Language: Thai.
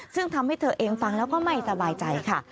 ซึ่งทำให้เธอเองฟังแล้วก็ไม่สบายใจค่ะ